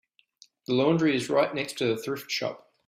The laundry is right next to the thrift shop.